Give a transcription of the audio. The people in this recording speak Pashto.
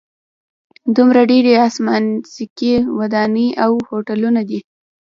دومره ډېرې اسمانڅکي ودانۍ او هوټلونه دي.